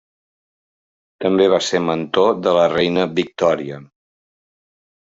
També va ser mentor de la reina Victòria.